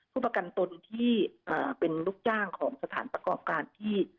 ผู้ประกันตนที่เป็นลูกจ้างของสถานประกอบการที่